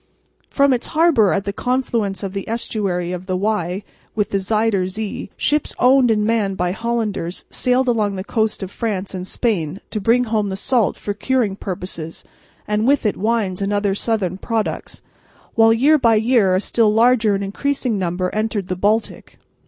From its harbour at the confluence of the estuary of the Y with the Zuyder Zee ships owned and manned by Hollanders sailed along the coasts of France and Spain to bring home the salt for curing purposes and with it wines and other southern products, while year by year a still larger and increasing number entered the Baltic.